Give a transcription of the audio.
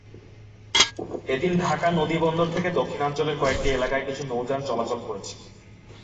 এদিন ঢাকা নদীবন্দর থেকে দক্ষিণাঞ্চলের কয়েকটি এলাকায় কিছু নৌযান চলাচল করেছে।